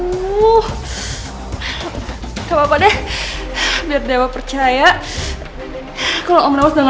biar putri gak akan pernah bisa dapat kerjaan dan gak akan pernah bisa diterima